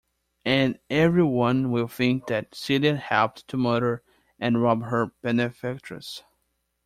And every one will think that Celia helped to murder and rob her benefactress.